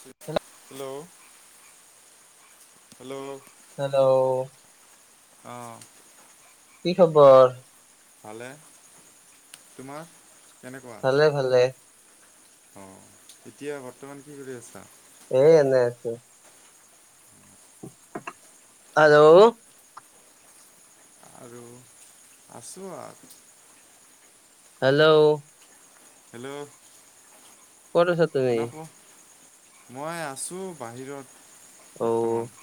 Hello hello অ hello কি খবৰ? ভালে। তোমাৰ ভালে ভালে। অ। এতিয়া বৰ্তমান কি কৰি আছা? এ, এনে আছো। হেল্ল'। আৰু, আছো আ। হেল্ল'। হেল্ল'। ক'ত আছা তুমি? শুনা পো মই আছো বাহিৰত। বৰ্তমান।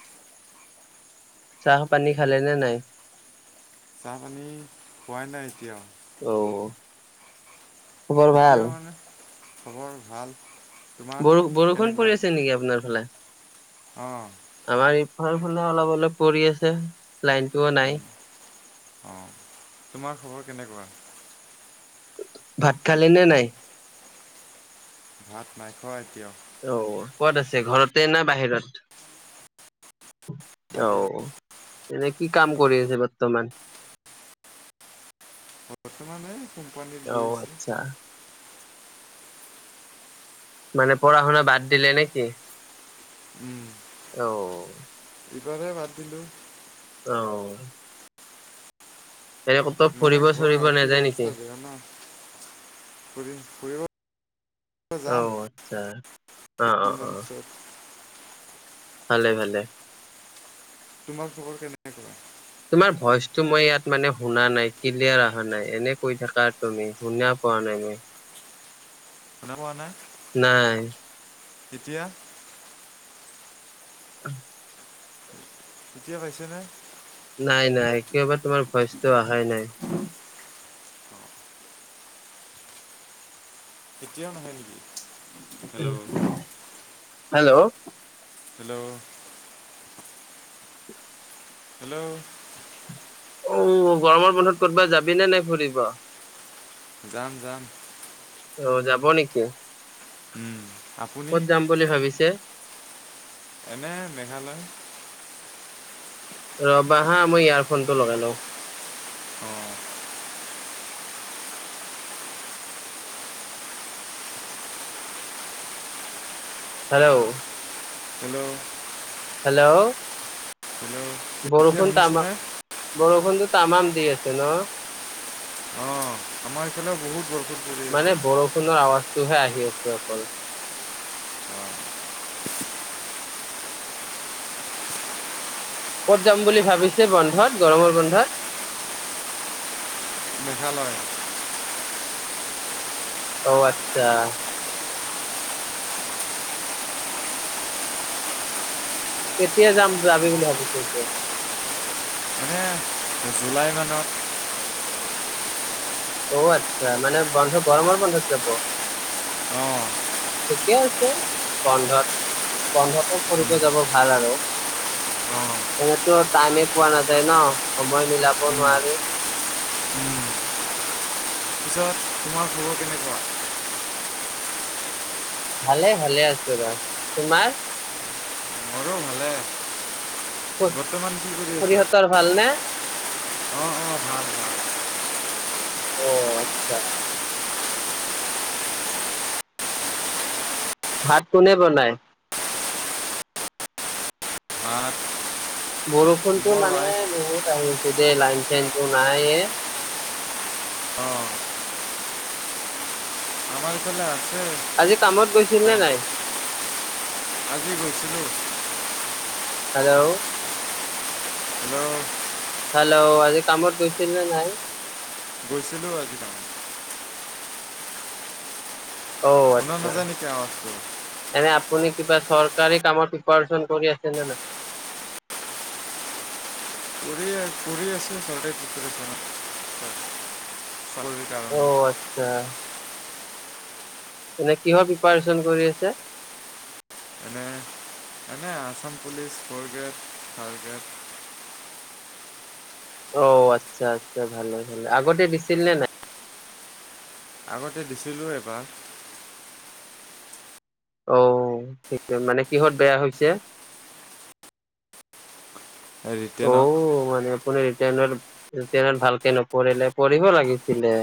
চাহ-পানী খালে নে নাই? চাহ-পানী খোৱাই নাই এতিয়াও। অ অ খবৰ ভাল এতিয়া মানে খবৰ ভাল। তোমাৰ বৰ বৰষুণ কেনেকুৱা পৰি আছে নেকি আপোনাৰ ফালে? অঁ আমাৰ এইফালৰ ফালে-অলপ। পৰি আছে। লাইনটোও নাই অ তোমাৰ খবৰ কেনেকুৱা? ভাত খালে নে নাই? ভাত নাইখোৱা এতিয়াও। অহ, ক'ত আছে ঘৰতে না বাহিৰত? বাহিৰত তেওঁ এনে কি কাম কৰি আছে বৰ্তমান। বৰ্তমানে কোম্পানীত অ গৈ আছোঁ আচ্ছা মানে পঢ়া-শুনা বাদ দিলে নেকি? অ। ইবাৰে বাদ দিলোঁ অ। এনে ক'তো মানে, ফুৰিব ঘৰ চুৰিব আৰ্থিক নাযায় নেকি অৱস্থা বেয়া নহ। ফুৰি ফুৰিব যাম অ' আটচ্ছা। অ' অ' তিনিজন অ'। পিছত ভালে ভালে। তোমাৰ খবৰ কেনেকুৱা? তোমাৰ ভইচটো মই ইয়াত মানে শুনা নাই ক্লিয়াৰ অহা নাই এনে কৈ থাকা তুমি শুনা পোৱা নাই মই শুনা পোৱা নাই নাই এতিয়া। [unintelligible] এতিয়া পাইছে নে। নাই নাই একেবাৰে তোমাৰ ভয়চ কোৱা? নাই নাই। কেতিয়াও নহয় নেকি? হেল্ল' হেল্ল' হেল্ল' হেল্ল' উম গৰমৰ বন্ধত কৰ'বা যাবি নে নাই ফুৰিব? যাম যাম। অ যাব নেকি? উম। আপুনি ক'ত যাম বুলি ভাবিছে? এনে মেঘালয়। ৰবাহা মই ইয়াৰফোনটো লগাই লওঁ। অ। হেল্ল' হেল্ল' হেল্ল' হেল্ল' এতিয়া বৰষুণ তামাম। শুনিছেনে বৰষুণটোো তামাম দি আছে ন। অ আমাৰ ইফালে বহুত বৰ মানে বৰষুণৰ আৱাজটোহে আহি আ আছে অকল। উম। ক'ত যাম বুলি ভাবিছে বন্ধত গৰমৰ বন্ধত? মেঘালয়। অঔ আচ্ছা। কেতিয়া যাম যাবি বুলি ভাবিছো এতিয়া? মানে জুলাই মানত। অ আচ্ছা মানে বন্ধ গৰমৰ বন্ধত যাব। অঁ। ঠিকে আছে বন্ধত বন্ধতে ফুৰিব যাব ভাল আৰু অঁ এনেতো টাইমে পোৱা নাযায় ন সময় মিলাব উম, নোৱাৰি। উম। পিছত তোমাৰ খবৰ কেনেকুৱা? ভালে ভালে আছো ৰ, তোমাৰ? মৰো ভালে। বৰ্তমান কি কৰি আছা খুৰিহতৰ ভাল নে? অঁ অঁ ভাল ভাল। অ আচ্ছা। ভাত কোনে বনাই? ভাত বৰষুণতটো মোৰ মানে ৱাইফ বহুত আহিছে দেই লাইন চনটো নাইয়ে। অঁ আমাৰ ফালে আজি কামত গৈছিল নে নাই? [inaudible] হেল্ল' হেল্ল' হেল্ল', আজি কামত গৈছিল নে নাই? গৈছিলো আজি কামত। অ', শুনা আচ্ছা, নাযায় নেকি আৱাজটো এনে আপ আপুনি কিবা চৰকাৰী কামৰ প্ৰিপাৰেচন কৰি আছেনে নাই? কৰিয়ে আছ-কৰি আছো, চৰকাৰী কাৰণে চাকৰিৰ অ', আচ্ছা। এনে কিহৰ প্ৰিপাৰেচন কৰি আছে? এনে, এনে Assam police, fourth grade, third grade অ', আচ্ছা আচ্ছা, ভালেই ভালেই, আগতে দিছিল নে নাই? আগতে দিছিলো এবাৰ। অ', সি কে মানে কিহত বেয়া হৈছে? ৰিটেনত। তেনত-ৰিতেনত ভালকে নপৰিলে, পৰিব লাগিছিলে।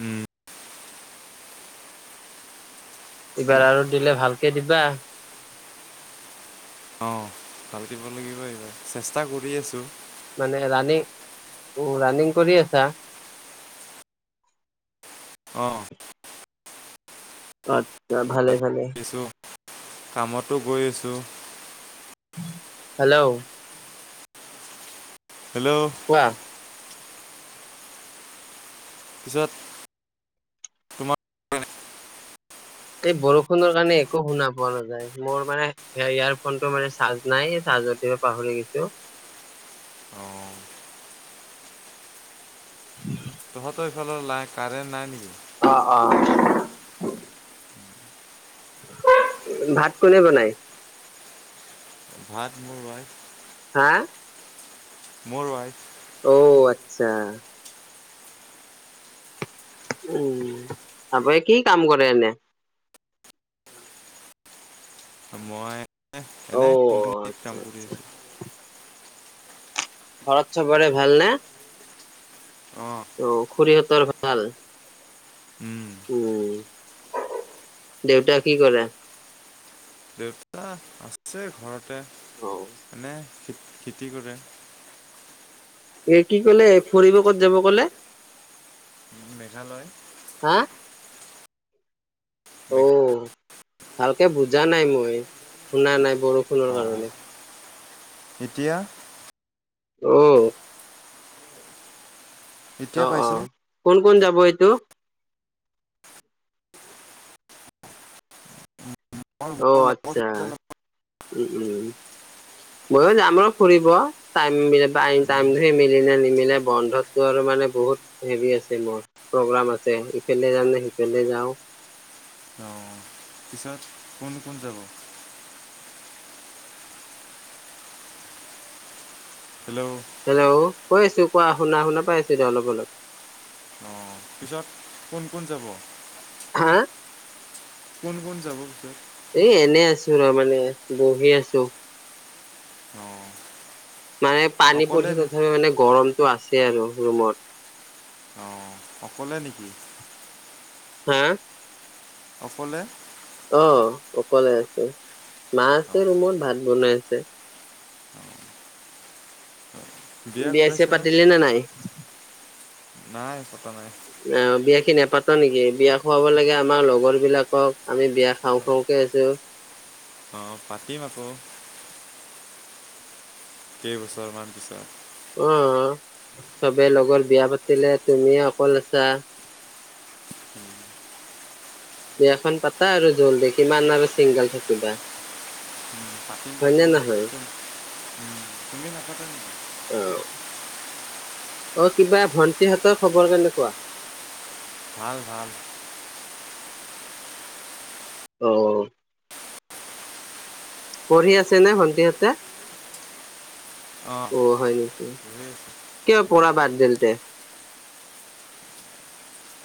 উম। এইবাৰ আৰু দিলে ভাল কে দিবা। ভালকে দিব লাগিব এইবাৰ, চেষ্টা কৰি আছো। মানে ৰানিং, ও ৰাণিং কৰি আছা? অ'। আত্ছা, ভালে ভালে। দিছোঁ কামতো গৈ আছোঁ। হেল্ল' হেল্ল' কোৱা? য'ত এই বৰষুণৰ কাৰণে একো শুনা পোৱা নাযায়, মোৰ মানে, ইয়াৰ-ইয়াৰফোনটো মানে চাৰ্জ নাই, চাৰ্জত দিব পাহৰি গৈছো। অঁ [unintelligible] তহঁতৰ এইফালৰ লা, কাৰেণ্ট নাই নেকি? অ' অ'। ভাত কোনে বনায়? ভাত মোৰ উৱাইফ। হা? মোৰ উৱাফ। অ', আচ্ছা। উম, আপুনি কি কাম কৰে এনে? মই অ এনেই, কোম্পানীত আচ্ছা কাম কৰি আচ্ছা আছোঁ। ঘৰত চবৰে ভাল নে? অ'। খুৰীহঁতৰ ভাল? উম, উম, দেউতাই কি কৰে? দেউতা আছে ঘৰত তে অ মানে খেতি কৰে এ, কি ক'লে? ফুৰিব ক'ত যাব ক'লে? মেঘালয়। হা মেঘা অ', ভালকে বুজা নাই মই, শুনা নাই বৰষুণৰ অঁ কাৰণে। এতিয়া অ' এতিয়া অ অ পাইছেনে? কোন, কোন যাব এইটো? মোৰ মোৰ অ', লগৰ আতচ্ছা কেইটা উম, উম ময়ো যাম আৰু ফুৰিব, টাইম-মি-টাইম, টাইম মিলিলে নে, নিমিলে বন্ধত আৰু মানে বহুত হেৰি আছে মোৰ প্ৰগ্ৰাম আছে, ইফালে যাম নে, সিফালে যাওঁ। লগ- অঁ পিছত কোন কোন যাব হেল্ল' হেল্ল' কৈ আছোঁ, কোৱা শুনা, শুনা পাই আছোঁ দিয়া অলপ, অলপ। অঁ পিছত কোন, কোন যাব? হা কোন, কোন যাব পিছত? এই, এনে আছো ৰ, মানে বহি আছোঁ। অ'। মানে পানী পৰিছে তথাপি মানে গৰমটো আছ চে আৰু ৰুমত অঁ অকলে নেকি? হা অকলে? অ', অকলে আছোঁ। মা আছে অঁ ৰুমত, ভাত বনাই আছে। বিয়া, চিয়া পাতিলে নে নাই? নাই নাই অ', বিয়া কি নেপাত নেকি? বিয়া খুৱাব লাগে আমাৰ লগৰবিলাকক আমি বিয়া খাওঁ, খাওঁকে আছোঁ। অ', পাতিম আকৌ। কেইবছৰমান পিছত। অ', চবে লগৰ বিয়া পাতিলে, তুমি অকল আছা। উম, বিয়াখন পাতা আৰু জলদি কিমান আৰু চিংগল থাকিবা? পাতিম, হয় নে পাতিম নহয় [unintelligible] তুমি নাপাতা নেকি? অ অ', কিবা ভণ্টিহঁতৰ খবৰ কেনেকুৱা? ভাল, ভাল। অ' পঢ়ি আছে নে, ভন্টিহঁতে? অঁ অ', হয়, নে বুজি আছোঁ কিয় পঢ়া বাদ দিলে?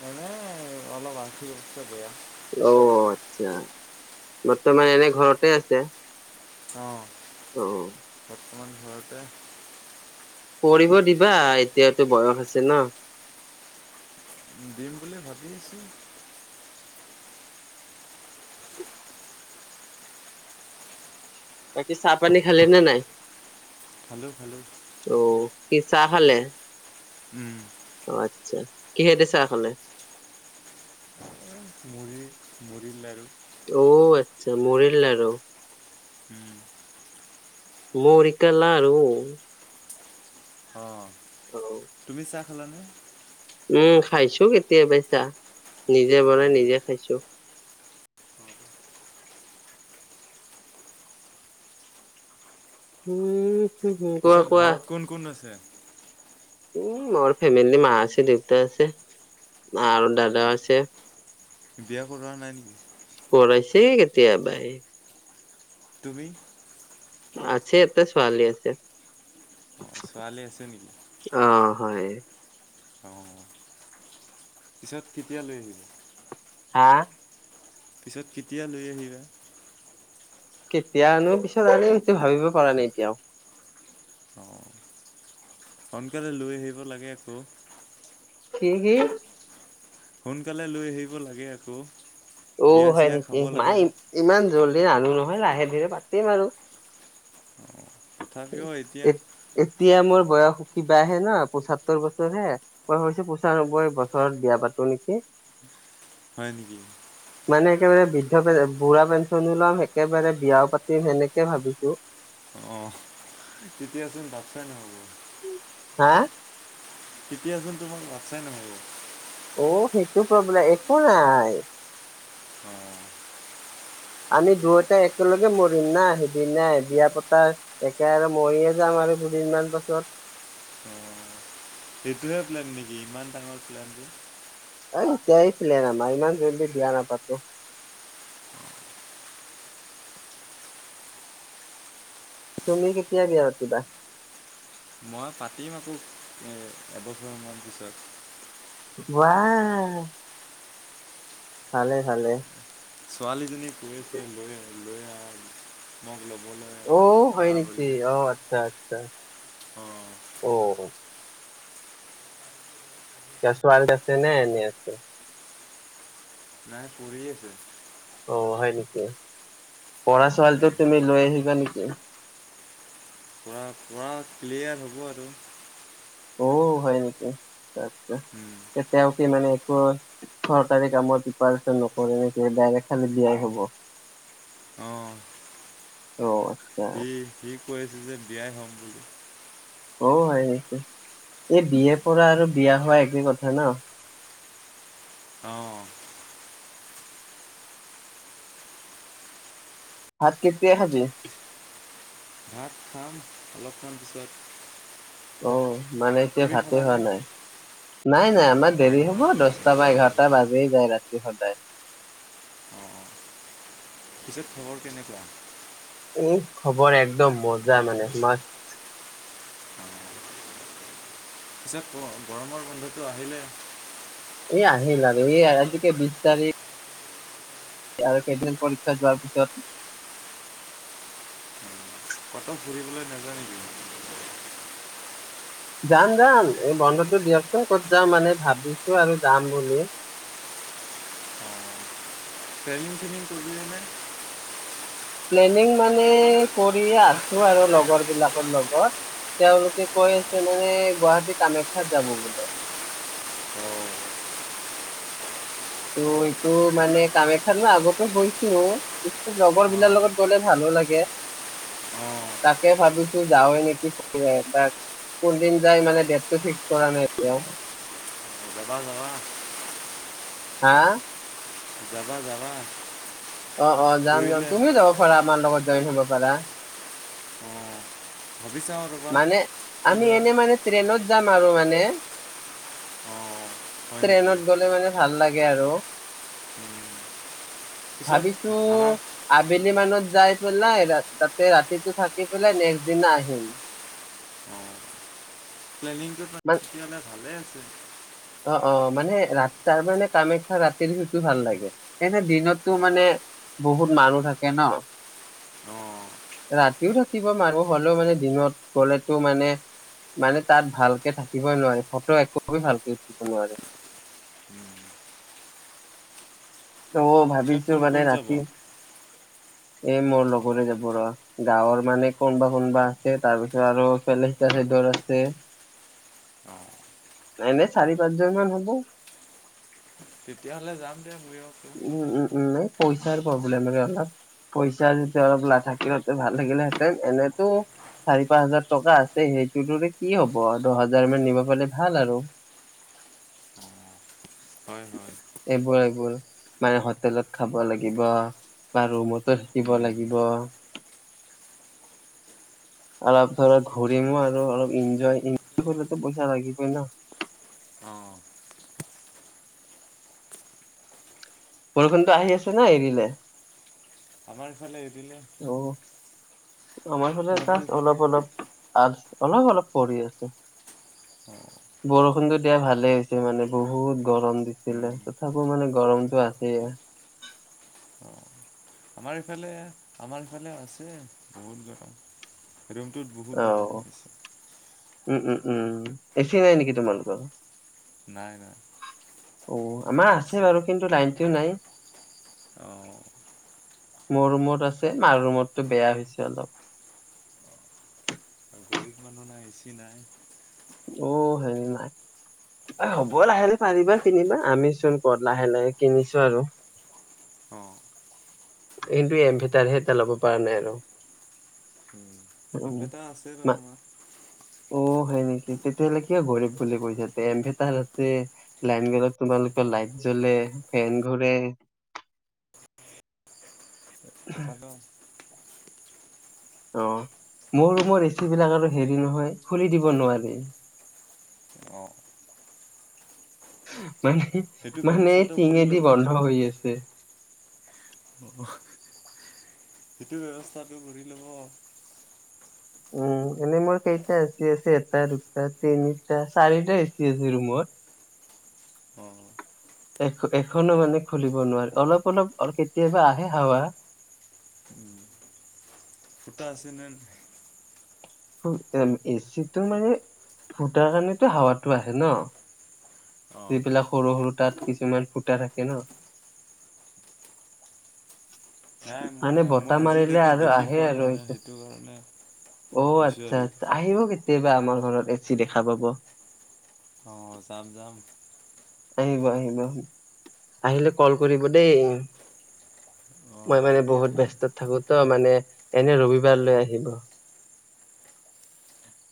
এনে অলপ আৰ্থিক অৱস্থা বেয়া। অঁ আচ্ছা বৰ্তমান এনে ঘৰতে আছে। অঁ। ঘটে। কৰিব দিবা এতিয়াতো বয়স আছে ন। দিম বুলি ভাবি আছো। বাকি চাহ পানী খালে নে নাই? খালো খালো। অ কি চাহ খালে? আত্ছা। কিহে দি চাহ খালে? মুড়ি মুড়ি লাড়ু। অঁ আচ্ছা মুড়ী লাড়ু। উম। মুড়ি কা লাৰু। অঁ। অঁ। তুমি চাহ খালানে? উম খাইছো কেতিয়াবাই চাহ নিজে বনাই নিজে খাইছো। উম। হম হম কোৱা পিছত কোৱা ঘৰত কোন কোন আছে? উম মোৰ ফেমিলি মা আছে দেউতা আছে আৰু দাদা আছে। বিয়া কৰোৱা নাই নেকি? কৰাইছে কেতিয়াবাই। তুমি? আছে এটা ছোৱালী আছে। অঁ ছোৱালী আছে অ হয়। অ পিছত কেতিয়া লৈ আহিবা? হা পিছত কেতিয়া লৈ আহিবা? কেতিয়া আনো পিছত আনিম এইটো ভাবিব পৰা নাই এতিয়াও। অঁ সোনকালে লৈ আহিব লাগে আকৌ। কি কি? সোনকালে লৈ আহিব লাগে আকৌ। অ বিয়া হয় চিয়া নেকি খাব লাগে নাই ইমান জল্দি আনি নহয় লাহে ধীৰে পাতিম আৰু। তথাপিও এতিয়া এত এতিয়া মই বয়স কিবাহে না পচত্তৰ বছৰ হে, মই ভাবছো পঁচানব্বৈ বছৰত বিয়া পাতো নেকি? হয় নেকি? মানে একেবাৰে বৃদ্ধ পে বুঢ়া পেঞ্চনো লম একেবাৰে বিয়াও পাতিম সেনেকে ভাবিছো। অ', তেতিয়াচোন বাটচাই নহ'ব। হা তেতিয়াচোন তোমাৰ বাটচায়ে নহ'ব। অ', সেইটো প্ৰব্লেম একো নাই। অ' আমি দুয়োটা একেলগে মৰিম না, সিদিনাই বিয়া পতা একে আৰু মৰিয়ে যাম আৰু দুদিনমান পাছত। সেইটোহে প্লেন নেকি? ইমান ডাঙৰ প্লোনটো অ', [unintelligible] প্লেন আমাৰ, ইমান‌ জল্দি বিয়া নাপাতোঁ। তুমি কেতিয়া বিয়া পাতিবা? মই পাতিম আকৌ, এ, এবছৰ মান পিছত ৱা ভালে, ভালে। ছোৱালীজনী কৈ আছে লৈ আহ, লৈ আহ মোক ল'ব অ', হয়, নেকি? অ', আতচ্ছা। [unintelligible] অঁ অ' [unintelligible] আছেনে? এনে আছে? নাই কৰি আছে। অ', হয়, নেকি? পঢ়া ছোৱালীতো তুমি লৈ আহিবা নি [unintelligible] [unintelligible] ক্লিয়াৰ হ'ব আৰু। অ', হয়, নেকি? আতচ্ছা, তেওঁ কি মানে চ-চৰকাৰী কামৰ প্ৰিপচন নকৰে, ডাইৰেক্ট খালী বিয়াই হ'ব, অ'। অঁ আচ্ছা [unintelligible] কৈ আছে যে, বিয়াই হ'ম বুলি। অ', হয়, নেকি? এই বি য়ে পঢ়া আৰু বিয়া হোৱা একেই কথা ন? অ' ভাত কেতিয়া খাবি? ভাত খাম অলপমান পিছত। অ'। মানে, এতিয়া তুমি ভাতেই হোৱা খালানে নাই। নাই, নাই। আমাৰ দেৰি হ'ব। দহটা বা এঘাৰটা বাজেই যায় ৰাতি হ'লে। তাই অ', পিছত খবৰ কেনেকুৱা? এই, খবৰ একদম মজা মানে, মাস্ত পিছে গ-গৰমৰ বন্ধটো আহিলেই এই আহিল, আৰু এই আজি কেই, বিশ তাৰিখ আৰু কেইদিন পৰীক্ষা যোৱাৰ পিছত উম, ক'তো ফুৰিবলৈ নেযায় নেকি? যাম যাম, এই বন্ধটো দিয়কচোন, ক'ত যাম মানে, ভাবিছো আৰু যাম বুলিয়ে। প্লেনিং-শ্লেনিং কৰিলা নে? প্লেনিং মানে, কৰি আছো আৰু লগৰ বিলাকৰ লগত, তেওঁলোকে কৈ আছে মানে গুৱাহাটী কামাখ্যাত যাব বোলে। অঁ ত', এইটো মানে কামাখ্যাত মই আগতো গৈছো, পিছত লগৰ বিলাকৰ অঁ লগত গ'লে ভালো লাগে, অঁ তাকে ভাবিছো যাওৱে নেকি, বা, কোনদিন যাই মানে ডেটটো ফিক্স কৰা নাই এতিয়াও। যাবা যাবা। হা? যাবা যাবা। অ', অ', যাম যাম, কৰিলে তুমিও যাব পাৰা আমাৰ লগত। জইন হ'ব পাৰা। উম। মানে, আমি এনে মানে ট্ৰেইনত যাম আৰু মান মানে অঁ হয় নেকি ট্ৰেইনত গ'লে মানে ভাল লাগে আৰু, উম, পিছত ভাবিছো ভাড়া আবেলি মানত যাই পেলাই, তাতে ৰাতিটো থাকি পেলাই, নেক্সট দিনা আহিম। অঁ প্লেনিংটো মান পতিললে ভালে আছে [unintelligible] অ' অ', মানে ৰাতি তাৰ মানে কামাখ্যা ৰাতিৰ ভিউটো ভাল লাগে। এনে দিনততো অঁ মানে বহুত মানুহ থাকে ন। অ'। ৰাতিও থাকিব মাৰব পাৰলো, হ'লেও মানে দিনত গ'লেতো মানে, মানে তাত ভালকে থাকিবই নোৱাৰে, ফটো একপিও ভালকে উঠ ঠিব নোৱাৰে। ত', পিছত ভাবিছো কোন মানে কোন যাব ৰাতি এ মোৰ লগৰে যাব ৰ, গাঁৱৰ মানে কোনবা কোনবা আছে, তাৰ পিছত আৰু ইফালে সিফালে ঘৰ আছে। এনেই চাৰি পাঁচজন মান হ'ব। তেতিয়া হ'লে যাম। দিয়া ময়ো আকৌ। উম উম-উম। পইচাৰ প্ৰব্লেম মানে অলপ, পইচা যেতিয়া লা-থাকিলে হয় ভাল লাগিলে হেঁতেন, এনেইটো চাৰি পাঁচ হাজাৰ টকা আছে, সেইটোদিৰে কি হ'ব আৰু, দহ হাজাৰ মান নিব পাৰিলে ভাল আৰু। হয় হয়। এইবোৰ এইবোৰ, মানে হোটেলত খাব লাগিব, বা ৰুমতে থাকিব উম, লাগিব অলপ ধৰ ঘূৰিমো আৰু অলপ এনজয়-এনজয় কৰিলেতো পইচা লাগিবই ন। অঁ বৰষুণটো আহি আছে না এৰিলে? আমাৰফালে অ'। আমাৰ ফালে জাছ তহঁতৰ ইফালে অলপ অলপ আছ অলপ অলপ পৰি আছে, অঁ বৰষুণতো দিয়া ভালে হৈছে মানে, বহুত গৰম দিছিলে, উম, তথাপিও মানে গৰমটো আছেই। অঁ আমাৰ এইফালে, আমাৰ এইফালে আছে, বহুত গৰম ৰুমটোত বহুত গৰম অ', হৈ আছে। উম, উম, উম, এ, চি, নাই নেকি তোমালোকৰ? নাই, নাই। অ' আমাৰ ইচ আছে, বাৰু কিন্তু লাইনটো নাই। অ', মোৰ ৰুমত আছে, মাৰ ৰুমৰটো বেয়া, হৈছে অলপ। গৰীব মানুহ নাই, এ, চি নাই। অ, হেৰি নাই, অ, হ'ব লাহে, লাহে পাৰিবা, কিনিবা, আমিচোন, ক'ত লাহে, লাহে কিনিছো, আৰু। অ' কিন্তু, এম ভেটাৰ, এটা লব, পৰা নাই আৰু। উম, ইন উম, ভেটাৰ, আছে ৰ, আ অ' হয়, নেকি তেতিয়াহলে কিয় গৰব বুলি কৈ থাকে তে, এমভেটাৰ আছে, লাইন গীলত তোমালোকৰ লাইট জ্বলে, ফেন ঘৰে। তথাপিও অ, মোৰ ৰুমৰ, এচি বিলাক আৰু হেৰি নহয়, খুলি দিব নোৱাৰি। অ' [inaudible] মানে, সেইটো মানে ব্যৱস্থাটো কৰি টিঙেদি ল'ব। বন্ধ হৈ আছে। সেইটো ব্যৱস্থাটো কৰি লব। উম, এনেই মোৰ কেইটা, এচি আছে, এটা, দুটা তিনিটা, চাৰিটা, এচি আছে ৰুমত। অঁ এখনো মানে খুলিব নোৱাৰি, অলপ, অলপ কেতিয়াবা আহে হাৱা। ফুটা আছে, নে ফো, এচিটো মানে, ফুটাৰ কাৰণেতো হাৱাতটো আহে ন। নাই? যিবিলাক সৰু, সৰু, তাত কিছুমান ফুটা থাকে, ন। নাই মই মানে, মই বতাহ মাৰিলে, আজিলৈকে আৰু দেখি আহে, পোৱা নাই আৰু ন সেইটো, কাৰণে অ, কৈছোঁ আচ্ছা, আৰু। আচ্ছা আহিব কেতিয়াবা আমাৰ ঘৰত এ, চি দেখা পাব। অ, যাম, যাম। আহিবা, আহিবা, অ। আহিলে, কল কৰিব দেই। অ', মই হ'ব মানে দিয়া বহুত ব্যস্তত, থাকো তো মানে- এনে ৰবিবাৰলৈ, আহিব।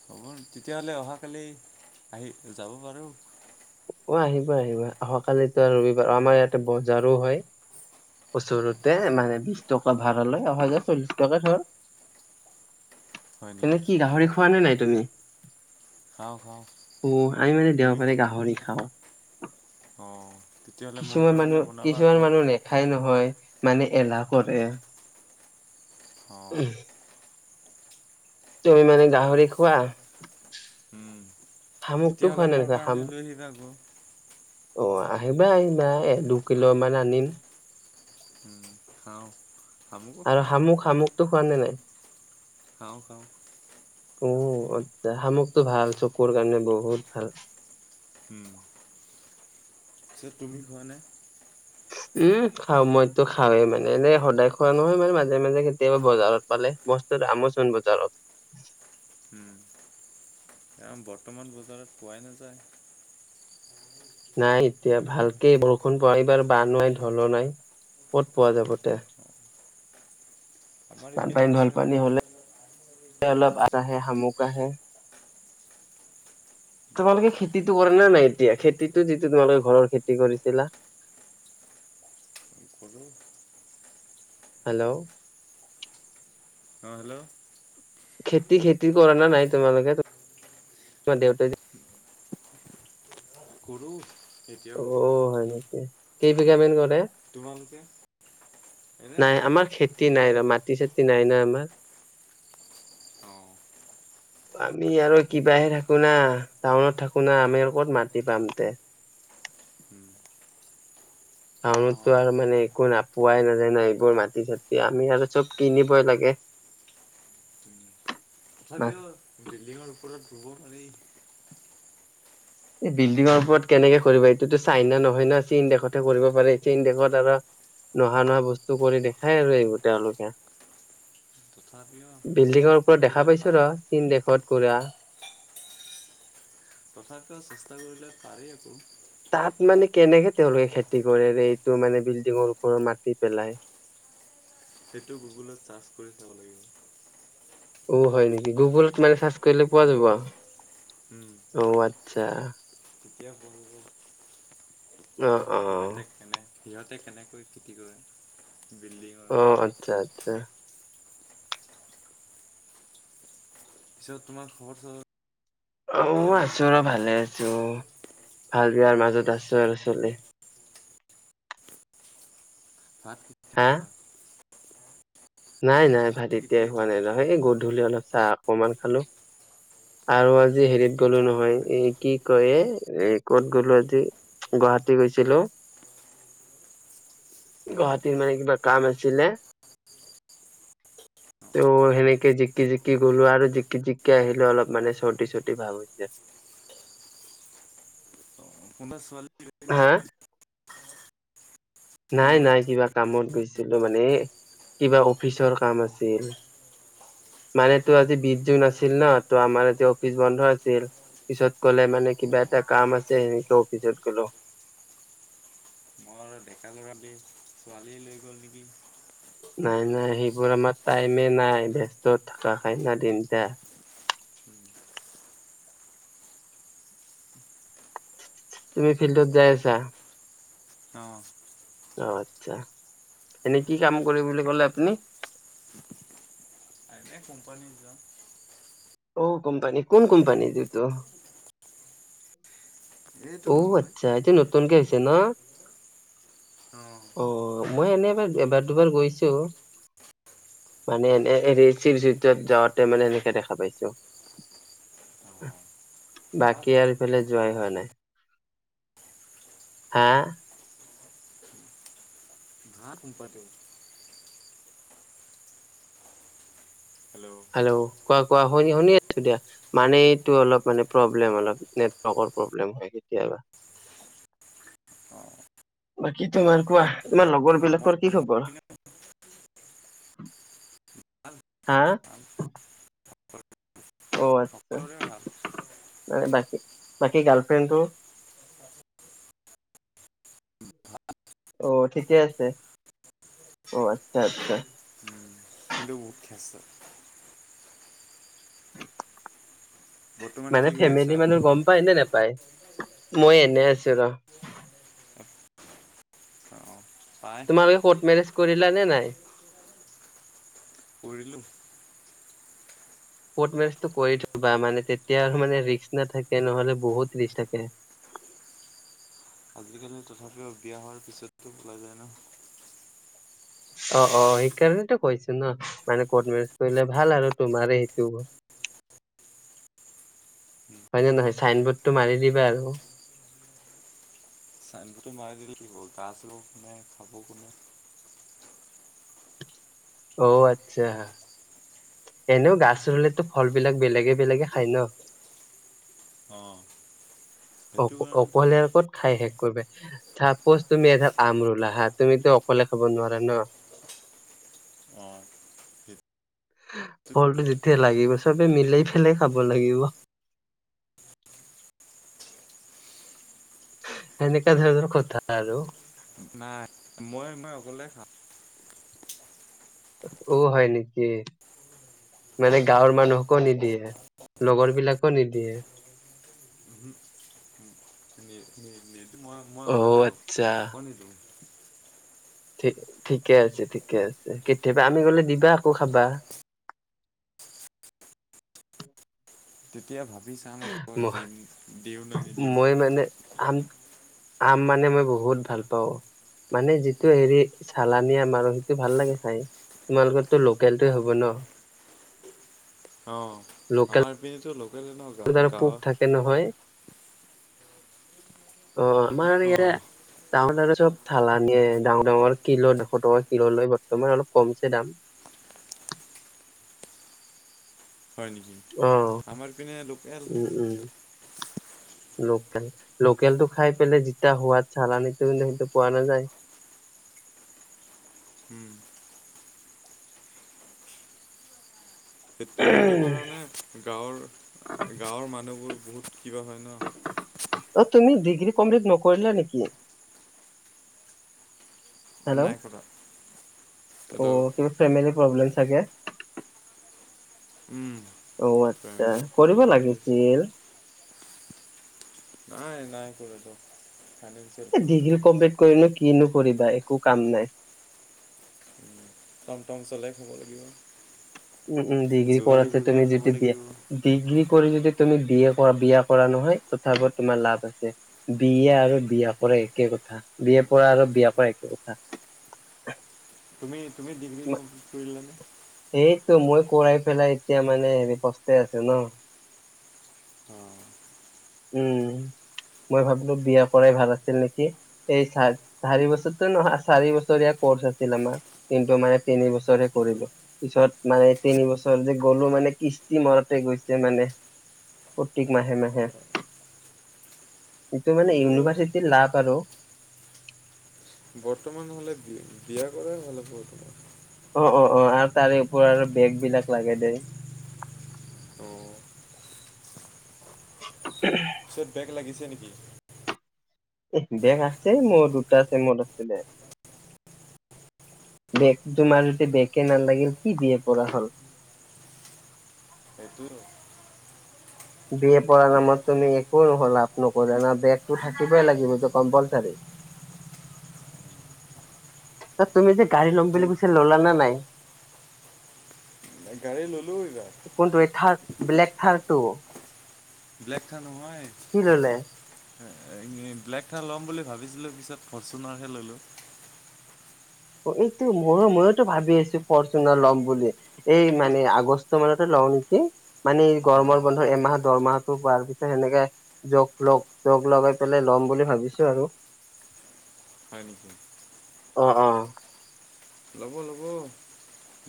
হ'ব, তেতিয়া হ'লে, অহাকালি আহি যাব পাৰো। অ', আহিবা, আহিবা, অহাাকালিতো আৰু ৰবিবাৰ, আমাৰ ইয়াতে বজাৰো হয়। ওচৰতে মানে বিশ টকা, ভাড়াালয় অহা যোৱা চল্লিশ টকা ধৰ। হয় এনে নেকি? কি, গাহৰি খোৱা নে নাই। [unintelligible] খাওঁ খাওঁ অ' আমি মানে তুমি দেওবাৰে গাহৰি খাওঁ অ', তেতিয়াহ'লে মোৰ কিছুমান কাৰণে মানুহ বনাবা কিছুমান আকৌ মানুহ নেখাই নহয়। মানে এলাহ কৰে। অ'। তুমি মানে গাহৰি খোৱা। উম। শামুকটো খোৱা তেতিয়াহ'লে নাই মোৰ দেখোন কাৰণে শামুক লৈ আহিবা [unintelligible] অ' আহিবা আহিবা, এক-দুই কিলো মান আনিম। উম, খাওঁ আমুকো আৰু খাওঁ শামুক-শামুকটো খোৱা নে নাই? খাওঁ-খাওঁ। উম, অ, তে শামুকটো ভাল চকুৰ কাৰণে বহুত ভাল। উম, পিছে তুমি খোৱা নে? উম, খাওঁ মইতো খাওৱেই মানে এনে সদায় খোৱা নহয় মানে মাজে-মাজে কেতিয়াবা বজাৰত পালে বস্তু দামোচোন বজাৰত। উম, কাৰণ বৰ্তমান বজাৰত পোৱাই নাযায়। নাই এতিয়া ভালকেই বৰষুণ প [unintelligible] এইবাৰ বান নাই ঢলো নাই ক'ত পোৱা যাব তে? আমাৰ ইপিনে বানপানী আছে ৰ'বা ঢলপানী হ'লে [inaudible] অলপ আ যা হে শামুক আহে। তোমালোকে খেতিটো কৰে নে নাই এতিয়া খেতিটো যিটো তোমালোকে ঘৰৰ খেতি কৰিছিলা? কৰোঁ হেল্ল', অঁ হেল্ল', খেতি-খেতি কৰা নে নাই তোমালোকে [inaudible] তোমাৰ দেউতাই যে কৰোঁ। এতিয়াও কৰোঁ। অ' হয় নেকি? কেই বিঘা মান কৰ তে তোমালোকে এনে নাই আমাৰ খেতি এ নাই ৰ মাটি-চাতি নাই ন' একো - [unintelligible] অ', আমি আৰু কিবাহে থাকোঁ না টাউনত থাকোঁ না আমি আৰু ক'ত মাটি পাম তে। উম, টাউনতো অঁ আৰু মানে একো না পোৱাই নাযায় না, এইবোৰ মাটি-চাটি আমি আৰু চব কিনিবই লাগে। তথাপিও বিল্ডিঙৰ ওপৰত ৰুব পাৰি। এই বিল্ডিঙৰ ওপৰত কেনেকে কৰিবা? এইটোতো চাইনা নহয় ন, চীন দেশতহে কৰিব পাৰে। চীন দেশত আৰু নোহা নোহোৱা বস্তু কৰি দেখায় আৰু এইবোৰ তেওঁলোকে। তথাপিও বিল্ডিঙৰ চেষ্টা ওপৰত দেখা কৰিলে পা পাইছো ৰ চীন দেশত কৰা। তথাপিও চেষ্টা কৰিলে পাৰি আকৌ। তাত মানে কেনেকে তেওঁলোকে খেতি কৰে ৰে, এইটো মানে বিল্ডিঙৰ ওপৰত মাতি পেলাই? সেইটো গুগলত ছাৰ্চ কৰি চাব লাগিব। অ হয় নেকি? গুগলত মানে ছাৰ্চ কৰিলে পোৱা উম, যাব। উম, অ আত্চ্ছ দা তেতিয়া [unintelligible] অ অ অ। সিহঁতে কেনে সিহঁতে কেনেকৈ খেতি কৰে? বিল্ডিঙৰ অ ওপৰত আত্চ্ছা আত্চ্ছা। পিছত তোমাৰ সহজ সৰল অ আছো ৰ ভালে আছো। ভাল বেয়াৰ মাজত আছো আৰু চলি। ভাত হা [unintelligible] নাই নাই ভাত তেতিয়াই কেতিয়া হোৱা খাবা নাই নহয়, এ গধূলি অলপ চাহ অকমান খালো। আৰু আজি হেৰিত গলো নহয়, পানী এ কি কয় এ ক'ত গ'লো আজি গুৱাহাটী গৈছিলো, অঁ গুৱাহাটীৰ মানে কিবা কাম আছিলে, ত সেনেকে জিকি জিকি গলো আৰু জিকি জিকি আহিলো অলপ। মানে চৰ্দি চৰ্দি ভাব হৈছে। আপোনাৰ ছোৱালী [unintelligible] হা? নাই কোনোবা নাই কিবা ছোৱালী কামত গৈছ ছিলো মানে, কিবা অফিচৰ কাম আছিল, মানে তো আজি বিছ জুন নাছিল ন, ত আমাৰ আজি অফিচ বন্ধ আছিল, পিছত ক'লে মানে কিবা অঁ এটা কাম আছে সেনেকে অফিচত গ'লো। [unintelligible] ছোৱালীয়ে লৈ গ'ল নেকি। নাই ফুৰিবলৈ নাই, সেইবোৰ আমাৰ তাই মে নাই, ব্যস্ত থাকা খাইনা দিনটা। তুমি ফিল্ডত যাই আছা? অ'। অ' আচ্ছা, এনেই কি কাম কৰি বুলি ক'লে আপুনি? এনেই কোম্পানীত যাওঁ। অ' কোম্পানী, কোন কোম্পানী এতো? এইটো অ' মুন্নই আচ্ছা, এইটো নতুকে হৈ ছেনা? অঁ অ'। মই এনে এবাৰ এবাৰ দুবাৰ গৈছো, মানে এনে [unintelligible] যাওঁতে মানে এনেকে দেখা পাইছো, বা ভাল য়াৰ কোম্পানীটো ইফালে ভাল যোৱাই হোৱা বহুত নাই। হা? ভাত সোমপাতেও হেল্ল', কোৱা কোৱা। শুনি, শুনি আছোঁ দিয়া, মানে এইটো অলপ মানে প্ৰব্লেম অলপ, নেটৱৰ্কৰ প্ৰব্লেম হয় কেতিয়াবা, অঁ বাকী তোমাৰ কোৱা তোমাৰ মোৰ মোৰ লগৰবিলাকৰ কি মোৰ খবৰ? পিনে ভাল হা? ভাল অ', আচ্ছা, সকলোৰে ভাল মানে বাকী, বাকী গাৰ্লফ্ৰেণ্ডটো? অ', ঠিকে আছে, অ', আচ্ছা, আচ্ছা। উম, কিন্তু বহুত খেছৰা। বৰ্তমান মানে কি কৰি ফেমিলি আছা? মানুহ গম পায় নে নেপায়? মই এনে আছোঁ ৰ'। অ, পাই তোমালোকে ক'ৰ্ট মেৰেজ কৰিলা নে নাই? কৰিলোঁ। ক'ৰ্ট মেৰেজটো কৰি থ'বা মানে, তেতিয়া আৰু মানে ৰিস্ক নাথাকে, নহ'লে বহুত ৰিস্ক থাকে। আজিকালি তথাপিও বিয়া হোৱাৰ পিছতো পলাই যায় ন? অ' অ' সেইকাৰণেতো কৈছো ন, মানে ক'ৰ্ট মেৰেজ কৰিলে ভাল আৰু, তোমাৰ সেইটো। হয়নে নহয়? চাইনবৰ্ডটো মাৰি দিবা আৰু। চাইনটো মাৰি দিলে কি হ'ব [unintelligible] খাব কোনে? অ' আটচ্ছা। এনেও গাছ ৰুলেতো ফলবিলাক বেলেগে বেলেগে খায় ন। অ, সেইটো অ' কাৰণেতো অকলে কত খাই শে চাপ'জ তুমি এডাল আম ৰুলা, হা! তুমিতো অকলে খাব নোৱাৰা ন। অ'। ফলটো যেতিয়া লাগিব, চবে মিলাই পেলাই খাব লাগিব। সেনেকা ধৰণৰ কথা আৰু। নাই মই মই অকলে খাম। উ হয় নেকি? মানে গাঁৱৰ মানুহকো নিদিয়ে, লগৰ বিলাকো নিদিয়ে। ম-মই অ অকলে খাও, আচ্ছা। কাকো নিদিওঁ। ঠিকে আছে ঠিকে আছে, কেতিয়াবা আমি গলে দিবা আকৌ খাবা। তেতিয়া ভাব ভাবি চাম আক, ম দিওঁ নে নিদিওঁ? মই মানে আম আম মানে মই বহুত ভাল পাওঁ। মানে, যিটো হেৰি চালানি আম আৰু সেইটো ভাল লাগে খাই তোমালোকৰটো লোকেলটোৱে হ'ব ন। অ' আমাৰ পিনেটো লোক টো তাৰে পোক থাকে নহয়। অ আমাৰ অ, ইয়াতে টাউন আৰু চব ছালানিয়ে ডাঙৰ ডাঙৰ কিলো দুশ টকা কিলো লয় বৰ্তমান অলপ কমছে দাম। হয় নেকি অ আমাৰ পিনে লোকেল। উম উম। লোকেল লোকেলটো খাই পেলাই যেতিয়া সোৱাদ চালানীটো কিন্তু সেইটো পোৱা নাযায়। হুম। সেট সেইটো কাৰণে গাঁৱৰ গাঁৱৰ মানুহবোৰ বহুত কিবা হয় ন। অ তুমি ডিগ্ৰী কমপ্লিট নকৰিলা নেকি? হেল্ল' নাই কৰা অ সেইটো কিবা ফেমেলি প্ৰব্লেম চাগে। ফেমিলি অ আচ্ছা কৰিব প্ৰব্লেম হৈ আছে লাগিছিল। নাই নাই কৰাটো। এই ডিগ্ৰী কমপ্লিট কৰিনো কিনো কৰিবা একো কাম নাই টম টম চলাই খাব লাগিব উম উম ডিগ্ৰী যোগালী কৰাছে কৰিয়ে তুমি খাব যদি বিয়া লাগিব ডিগ্ৰী কৰি যদি তুমি বিয়ে কৰা বিয়া কৰা নহয় তথাপও তোমাৰ লাভ আছে বিয়া আৰু বিয়া কৰা একে কথা বিয়ে কৰা আৰু বিয়া কৰা একে কথা তুমি তুমি ডিগ্ৰী কমপ্লিট কৰিলানে সেইটো মই কৰাই পেলাই এতিয়া মানে হেৰি পস্তাই আছো ন উম মই ভাবিলো বিয়া কৰাই ভাল আছিল নেকি এই চা চাৰি বছৰতো নহয় চাৰি বছৰীয়া কৰ্চ আছিল আমাৰ কিন্তু মানে তিনি বছৰে কৰিলো পিছত মানে তিন বছৰ যে গলো মানে কিস্তি মৰোতে গৈছে মানে প্ৰতিক মাহে মাহে এইটো মানে কৰিব ইউনিভাৰ্চিটিৰ লাভ আৰু, বৰ্তমান হ'লে বি বিয়া কৰাই ভাল হ'ব তোমাৰ। অ' অ' অ' আৰু তাৰে ওপৰ আৰু বেগ বিলাক লাগে দে। অঁ [unintelligible] চট বেগ লাগিছে নেকি? এ বেগ আছে মোৰ দুটা চেমত আছিলে। বেগটো মাৰোতে বেগে না লাগিল কি বি এ পৰা হ'ল। সেইটো বিএ পঢ়াৰ নামত তুমি একো নহ' লাভ নকৰি ন বেগটো থাকিবই লাগিবতটো কম্পালচাৰী। ত তুমি যে গাড়ী ল'ম বুলি সেই কৈছা ল'লা নে নাই? গাড়ী ল'লোঁ এইবাৰ কোনটো এ থাৰ ব্লেক থাৰৰ্টো, ব্লেক থাৰ নহয়। কি ল'লে? ব্লেকথাৰ ল'ম বুলি ভাবিছিলো, পিছত ফৰ্চুনাৰ হে ল'লো। অ এইটো ময়ো ময়ো ভাবি আছো ফৰচুনাৰ লম বুলি, এই মানে আগষ্ট মানতে লওঁ নেকি, মানে গৰমৰ অঁ বন্ধৰ এমাহ দৰমহাটো পোৱাৰ পিছত সেনেকে জগ লগ জগ লগাই পেলাই লম বুলি ভাবিছো আৰু। হয় নেকি? অ' অ' ল'ব ল'ব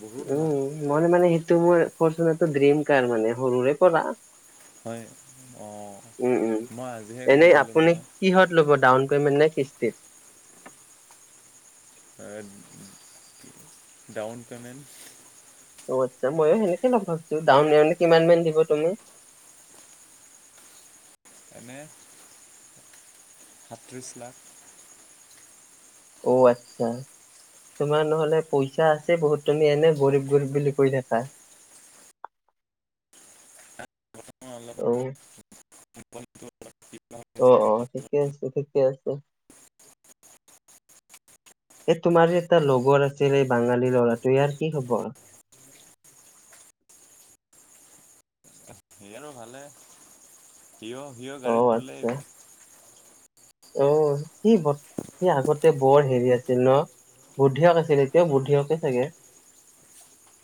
বহুত উম ভাল। মই মানে সেইটো মোৰ ৰ্ফচুনাৰটো ড্ৰিম কাৰ মানে সৰুৰে পৰা, হয় অঁ উম উম মই আজিহে গম এনেই পালোঁ আপুনি নহয়, কিহত ল'ব ডাউন পেমেণ্ট নে কিস্তিত। Down payment. অ' আচ্ছা ময়ো সেনেকে লম ভাবছো ডাউন পেমেণ্ট কিমান মান দিব তুমি? এনে সাতত্ৰিছ লাখ। অ' আচ্ছা তোমাৰ নহলে পইচা আছে বহুত, তুমি এনে গৰীব গৰীব বুলি কৈ থাকা। অঁ, অলপ অ' অ' অ' ঠিকে আছে ঠিকে আছে এ তোমাৰ যে এটা লগৰ আছিল বাঙালী লৰাটো ইয়াৰ কি খবৰ? ইয়াৰো ভালে। কিয়, সিও অ গাড়ী কিনিলে? আচ্ছা অ' সি বত সি আগতে বৰ হেৰি আছিল ন বুদ্ধিয়ক আছিল, এতিয়াও বুদ্ধিয়কে চাগে।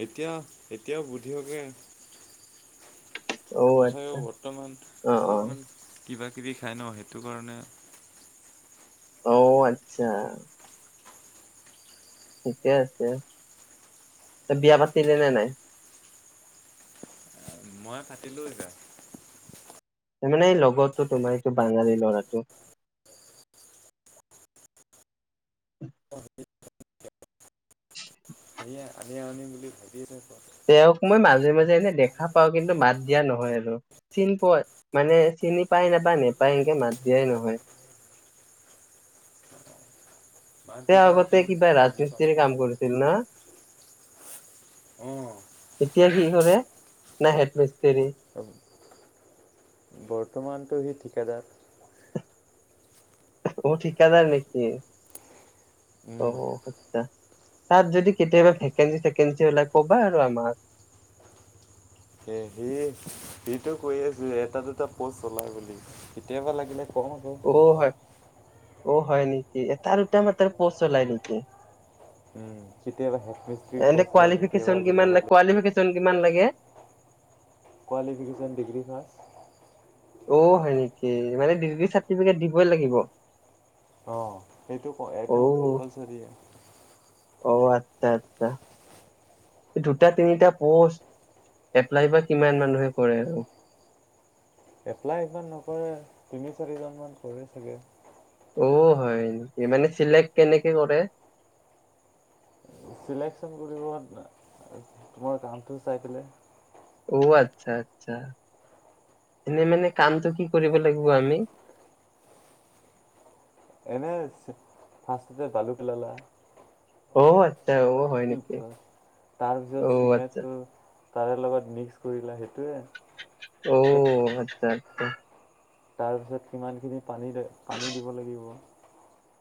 এতিয়া এতিয়াও বুদ্ধিয়কে। অ তথাপিও, আচ্ছা বৰ্তমান অ অ অলপমান কিবাকিবি খাই ন সেইটো কাৰণে অ' আচ্ছা, ঠিকে আছে, বিয়া পাতিলে নে নাই? মই পাতিলোঁ এইবাৰ। তাৰমানে এই লগতো তোমাৰ এইটো বাঙালী লৰাটো। উ আনিম আনিম বুলি ভাবি থাকে। তেওঁক মই মাজে মাজে এনে দেখা পাওঁ, কিন্তু মাত দিয়া নহয় আৰু চিনি পোৱা মানে চিনি পাই নাপায় নেপায় এনেকে মাত দিয়াই নহয়। মাত তেওঁ দিবা আকৌ আগতে কিবা তুমি পাব ৰাজমিস্ত্ৰি কাম লাগিব। কৰিছিল ন। অ এতিয়া কি কৰে? না হেড মিস্ত্ৰী, বৰ্তমানটো সি ঠিকাদাৰ। অ' ঠিকাদাৰ নেকি? অ' উম আচ্ছা। তাত যদি কেতিয়াবা ভেকেঞ্চি চেকেঞ্চি ওলাই কবা আৰু আমাক। এ সেয়ে সেইটো কৈ আছো এটা দুটা পষ্ট ওলাই বুলি, কেতিয়াবা লাগিলে অ হয় [unintelligible] অ' হয় নেকি, এটা দুটা মাএ পষ্ট ওলায় নেকি? কেতিয়াবা হেডমিষ্ট্ৰ্ৰী পষ্ট ওলাই কেতিয়াবা এনেকুৱাটাইপ চোন কিমান লাগে। Qualification degree pass. অ'হয় নেকি, মানে ডিগ্ৰী চাৰ্টিফিকেট দিবই লাগিব। সেইটো অ একদম কম্পালচৰীয়ে। অ' আচ্ছা, আচ্ছা। দুটা তিনিটা পষ্ট এপ্লাই বা কিমান মানুহে কৰে আৰু। এপ্লাই সিমান নকৰে তিনি চাৰিজন মান কৰে চাগে। অ' হয় নেকি মানে চিলেক্ট কেনেকে কৰে? চিলেকশ্যন কৰিব তোমাৰ কামটোও চাই পিনে। অ' আচ্ছা, আচ্ছা। এনে মানে কামটো কি কৰিব লাগিব আমি। এনে ফাষ্টতে বালু পেলালা। অ' আচ্ছা অ' হয় নেকি? তাৰপিছত অ' আচ্ছা। চিমেণ্টটো তাৰে লগত মিক্স কৰিলা সেইটোৱে। পিছত অ' আচ্ছা। [inaudible] তাৰপিছত সিমানখিনি পানী পানী দিব লাগিব।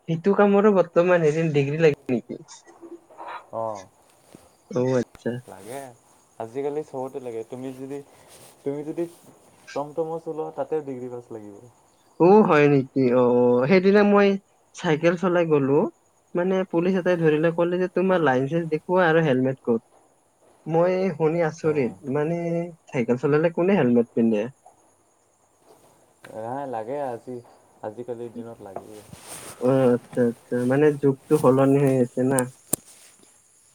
সিটো কামৰো বৰ্তমান এদিন ডিগ্ৰী লাগে নেকি অ' আচ্ছা। লাগে আজিকালি চবতে লাগে তুমি যদি তুমি যদি টমটমো চলোৱা তাতে ডিগ্ৰী পাছ লাগিব। অ'হয় নেকি? অ' অ' সেইদিনা মই চাইকেল চলাই গ'লো মানে পুলিচ এটাই ধৰিলে ক'লে যে তোমাৰ লাইচেন্স দেখুওৱা আৰু হেলমেত ক'ত, মই শুনি অ'। আচৰিত মানে চাইকেল চলালে কোনে হেলমেত পিন্ধে। নাই লাগে আজি আজিকালিৰ দিনত লাগেয়ে। অ আচ্ছা আচ্ছা মানে যুগটো সলনি হৈ আছে না।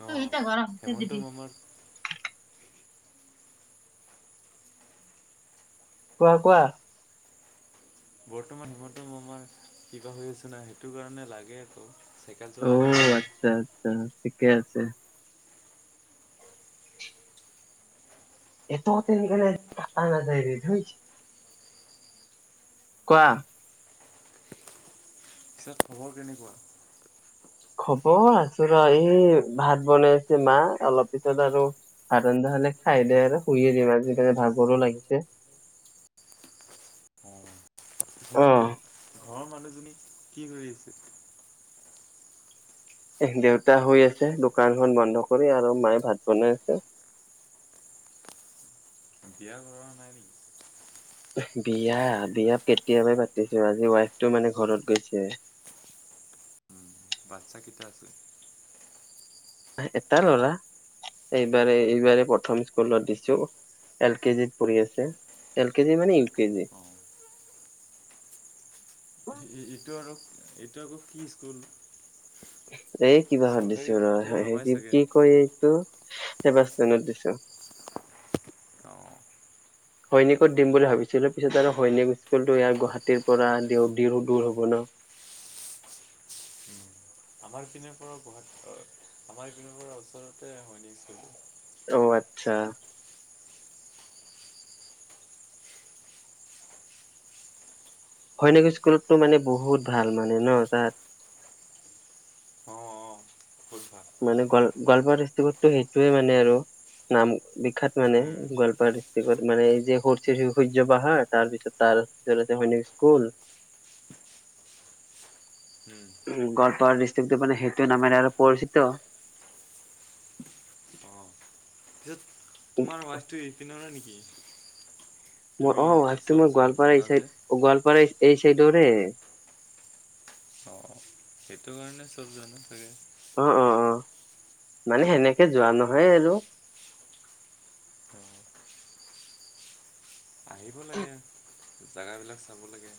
অ', হৈছে হেমন্ত দিবি। মামাৰ কোৱা' কোৱা? বৰ্তমান হিমন্ত মামাৰ কিবা হৈ আছে না সেইটো কাৰণে লাগে আকৌ। চাইকেল অ চলালেও লাগে। আচ্ছা আচ্ছা ঠিকে আছে। এইটো তেনেকে কাটা নাযায় ৰে ধুই কোৱা। পিছত খবৰ কেনেকুৱা? হব আছো ৰ এই ভাত বনাইছে মা অলপ পিছত আৰু ভাত ৰন্ধা খলে খাই দে আৰু শুইে দিম আজি ভাগৰো লাগিছে অহ। ঘৰৰ মানুহজনী কি কৰি আছে? এ দেউতা শুই আছে দোকানখন বন্ধ কৰি আৰু মায়ে ভাত বনাই আছে। বিয়া কৰা নাই নেকি। বিয়া বিয়া কেতিয়াবাই পাতিছো আজি ৱাইফটো মানে ঘৰত গৈছে। বাচ্ছা কেতিয়া আছে? এটা ল'ৰা এইবাৰে এইবাৰে প্ৰথম স্কুলত দিছো এল কেজিত পঢ়ি আছে এল কেজি মানে ইউ কেজি। অঁ এইটো আৰু এইটো আকৌ কি স্কুল? [unintelligible] এই কিবা সধিছো ৰ', চৰকাৰীটো নহয় স চাগে কি কয় এইটো? [unintelligible] অ' সৈনিকত দিম বুলি ভাবিছিলোঁ পিছত আৰু সৈনিক স্কুলটো ইয়াৰ গুৱাহাটীৰ পৰা দূৰ হ'ব ন'। আমাৰ পিনে পৰা, আমাৰ পিনে পৰা ওচৰতে হৈনিক স্কুলতো। অ' আত্ছা। হৈনিক স্কুলততো মানে বহুত ভাল মানে ন তাত? অ' অ'। মানে গোৱাল গোৱালপাৰা ডিষ্ট্ৰিকতটো সেইটোৱে মানে আৰু নাম বিখ্যাত মানে, অঁ গোৱালপাৰা ডিষ্ট্ৰিকত মানে, এই যে সূৰ্য পাহাৰ তাৰ পিছত তাৰ পিছতে সৈনিক স্কুল। উ, গোৱালপাৰা ডিষ্ট্ৰিকটো মানে সেইটো নামেৰে আৰু পৰিচিত। পিছত তোমাৰ মাছটো এই পিনৰে নি কি মই অ', মই গোৱালপাৰা এই চাইড গোৱালপাৰ এই চাইডৰে। অ' সেইটো কাৰণে চব জানা চাগে? অ' অ' অ' মানে সেনেকে যোৱা নহয় আৰু। অঁ আহিব লাগে। জেগা বিলাক চাব লাগে।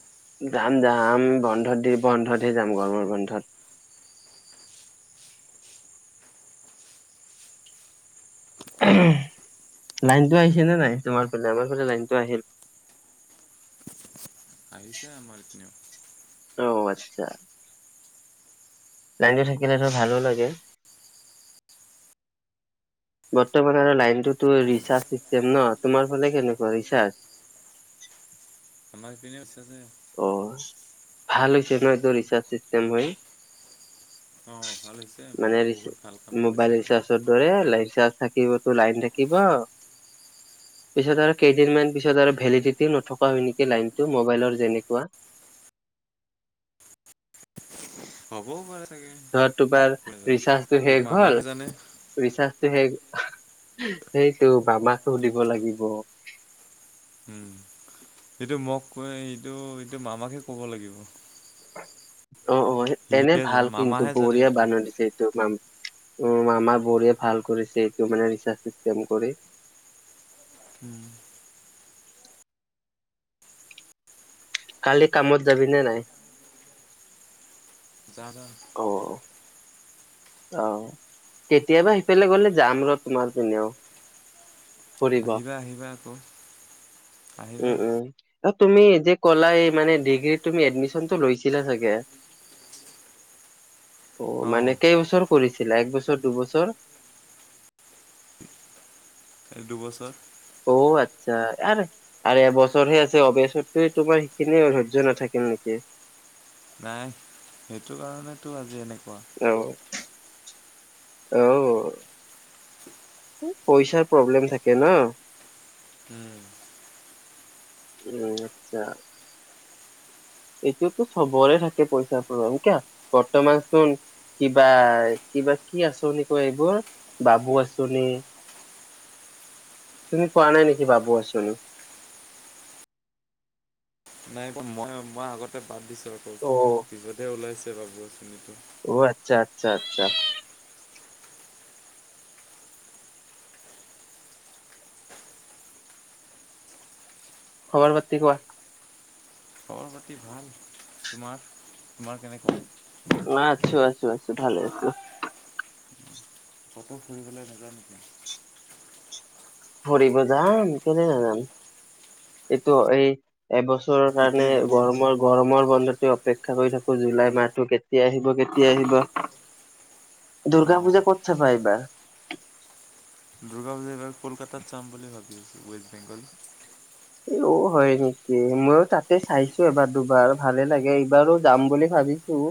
যাম যাম বন্ধত। বন্ধতহে যাম গৰমৰ বন্ধত। লাইনটো আহিছে নে নাই তোমাৰ ফালে, আমাৰ ফালে লাইনটো আহিল। আহিছে আমাৰ এপিনেও। অ', আচ্ছা। লাইনটো থাকিলেটো ভালো লাগে। বৰ্তমান আৰু লাইনটোতো ৰিচাৰ্জ চিষ্টেম ন', তোমাৰ ফালে কেনেকুৱা ৰিচাৰ্জ? আমাৰেপিনে চেম এ অ' ভাল হৈছে ন' এইটো ৰিচাৰ্জ চিষ্টেম হৈ। অ ভাল হৈছে মানে মামা ৰিচ, বহুত ভাল কাম কৰিছে মোবাইল ৰিচাৰ্জৰ দৰে লাইট চাৰ্জ থাকিবতো লাইন থাকিব, পিছত আৰু কেইদিনমান পিছত আৰু ভেলিডিটিও নথকা হয় নেকি লাইনতটো, মবাইলৰ যেনেক কোৱা। হ'বও পাৰে। চাগে ধৰ, তোমাৰ কোনে জানে ৰিচাৰ্জটো এইটো শেষ হ'ল, মামাহে জানে ৰিচাৰ্জটো শেষ সেইটো মামাক সুধিব লাগিব। উম, সেইটো মোক কৈ এইটো, এইটো মামাকহে ক'ব লাগিব। অ'! অ'! এনে সিহে ভাল জানে, কিন্তু, মামাহে জানে বঢ়িয়া এইটো বানাই দিছে এইটো মাম উম, মামা বৰেই ভাল কৰিছে, এইটো মানে ৰিচাৰ্জ ছিষ্টেম কৰি। উম কালি কামত যাবিনে নাই? যাম। অ'! অ'! কেতিয়াবা সিফালে গ'লে যাম ৰ' তোমাৰ পিনেও। ফুৰিব আহিবা, আহিবা আকৌ আহিবা। উম উম তুমি যে ক'লা এই মানে, ডিগ্ৰীত তুমি এডমিচনটো লৈছিলা চাগে! অ'! মানে কেইবছৰ কৰিছিলা এক বছৰ দুবছৰ? দুবছৰ। অ'! আচ্ছা! আৰু আৰু এবছৰহে আছে। এবছৰটোৱে তোমাৰ সেইখিনি ধৈৰ্য্য নাথাকিল নেকি। নাই, সেইটো কাৰণেতো আজি এনে অ'! অঁ! পইচাৰ প্ৰব্লেম থাকে ন'? উম! উম, আচ্ছা! এইটোতো চবৰে থাকে। পইচাৰ প্ৰ কিয় বৰ্তমানচোন কিবা কিবা কি আঁচনি কয়, এইবোৰ বাবু আঁচনি। তুমি পোৱা নাই নেকি বাবু আঁচনি? নাই পোৱা। মই পোৱা আগতে বাদ দিছোঁ। আকৌ অ পিছতহে ওলাইছে। বাবু আঁচনি [unintelligible] অ'! আচ্ছা! আচ্ছা! আচ্ছা! খবৰ পাতি কোৱা? খবৰ পাতি ভাল। তোমাৰ তোমাৰ কেনেকুৱা? নাই। আছোঁ! আছোঁ! আছোঁ! ভালে, ভালে! কটো ফুৰিবলৈ নেযায় নেকি? ফুৰিব যাম। কেলেই নযাম। এইটো এই এবছৰৰ কাৰণে, কেতিয়া যাবা? গৰমৰ গৰমৰ বন্ধত অপেক্ষা কৰি থাকোঁ। জুলাই মাহটো কেতিয়া আহিব! কেতিয়া আহিব! দুৰ্গা অ' পূজা ক'ত চাবা এইবাৰ? দুৰ্গা পূজা এইবাৰ কলকাতাত চাম বুলি ভাবি আছোঁ! ৱেষ্ট বেংগল। অ'! হয় নেকি মইয়ো তাতে চাইছোঁ এবাৰ, দুবাৰ ভালে লাগে। এইবাৰো যাম বুলি ভাবিছোঁ!